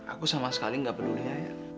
aku sama sekali gak peduli ayah